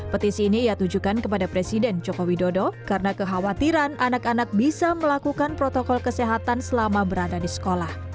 petisi ini ia tujukan kepada presiden joko widodo karena kekhawatiran anak anak bisa melakukan protokol kesehatan selama berada di sekolah